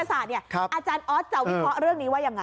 อาจารย์ออสจะวิเคราะห์เรื่องนี้ว่ายังไง